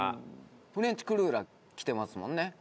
フレンチクルーラーきてますもんね。